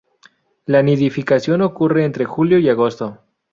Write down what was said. La nidificación ocurre entre julio y agosto.